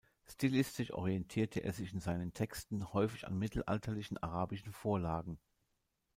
Stilistisch orientierte er sich in seinen Texten häufig an mittelalterlichen arabischen Vorlagen.